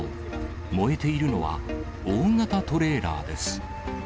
燃えているのは、大型トレーラーです。